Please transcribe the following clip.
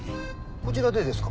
こちらでですか？